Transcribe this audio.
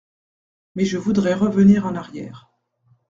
Mais je voudrais revenir en arrière.